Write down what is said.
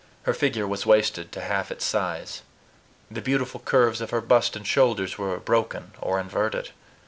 Her figure was wasted to half its size. The beautiful curves of her bust and shoulders were broken or inverted.